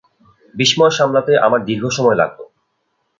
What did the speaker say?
বিস্ময় সামলাতে আমার দীর্ঘ সময় লাগল।